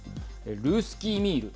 ルースキーミール。